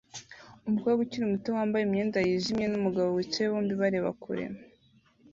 Umukobwa ukiri muto wambaye imyenda yijimye numugabo wicaye bombi bareba kure